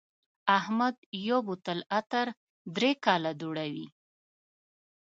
احمد یو بوتل عطر درې کاله دوړوي.